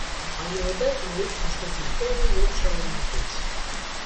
Այնուհետև նորից նստեց իր տեղը և շարունակեց: